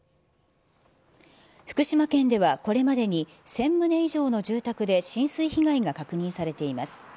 福島県ではこれまでに、１０００棟以上の住宅で浸水被害が確認されています。